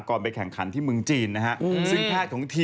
ก็มันอ้วนไง